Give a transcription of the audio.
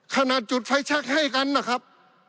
ขนาดจุดไฟชักให้กันนะครับ